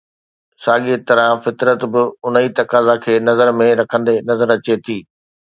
ساڳيءَ طرح فطرت به ان ئي تقاضا کي نظر ۾ رکندي نظر اچي ٿي